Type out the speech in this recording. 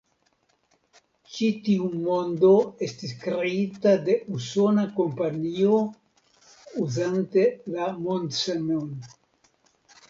Ĉi tiu mondo estis kreita de usona kompanio uzante la Mondsemon.